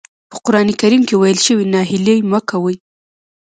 په قرآن کريم کې ويل شوي ناهيلي مه کوئ.